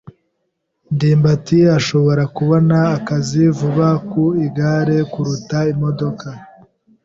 ndimbati ashobora kubona akazi vuba ku igare kuruta imodoka.